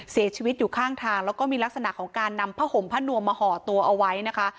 เสียชีวิตอยู่ข้างทางแล้วก็มีลักษณะของการนำผ้าห่มผ้านวมมาห่อตัวเอาไว้นะคะ